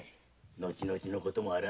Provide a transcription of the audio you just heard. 後々のこともある。